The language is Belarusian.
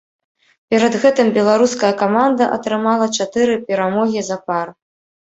Перад гэтым беларуская каманда атрымала чатыры перамогі запар.